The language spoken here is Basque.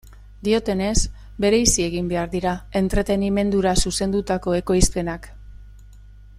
Dioenez, bereizi egin behar dira entretenimendura zuzendutako ekoizpenak.